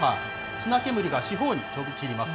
砂煙が四方に飛び散ります。